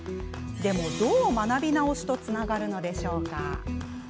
でも、どう学び直しとつながるのでしょうか？